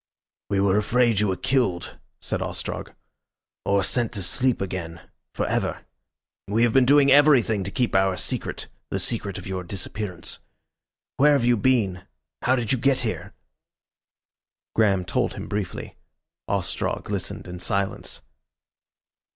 "We were afraid you were killed," said Ostrog. "Or sent to sleep again for ever. We have been doing everything to keep our secret the secret of your disappearance. Where have you been? How did you get here?" Graham told him briefly. Ostrog listened in silence.